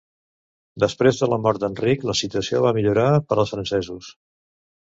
Després de la mort d'Enric, la situació va millorar per als francesos.